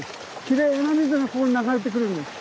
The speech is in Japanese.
きれいな水がここに流れてくるんです。